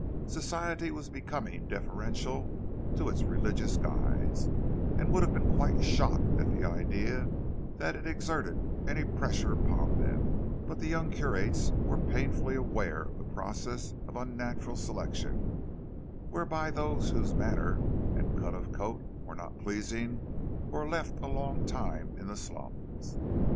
Society was becoming deferential to its religious guides, and would have been quite shocked at the idea that it exerted any pressure upon them; but the young curates were painfully aware of a process of unnatural selection, whereby those whose manner and cut of coat were not pleasing were left a long time in the slums.